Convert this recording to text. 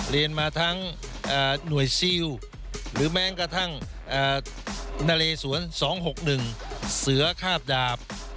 เรียนมาทั้งหน่วยซิลหรือแม้กระทั่งนเลสวน๒๖๑เสือคาบดาบ